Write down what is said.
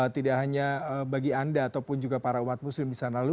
tidak hanya bagi anda ataupun juga para umat muslim di sana lalu